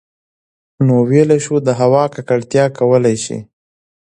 نـو ٫ويلـی شـوو د هـوا ککـړتـيا کـولی شـي